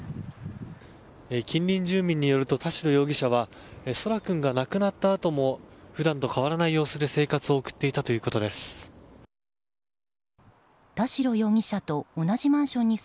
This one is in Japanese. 近隣住民によると田代容疑者は空来君が亡くなったあとも普段と変わらない様子で生活を送っていたということです。